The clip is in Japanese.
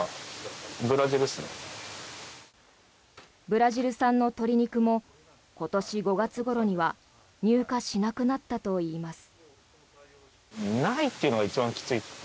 ブラジル産の鶏肉も今年５月ごろには入荷しなくなったといいます。